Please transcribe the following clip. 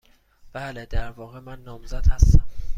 بله. در واقع، من نامزد هستم.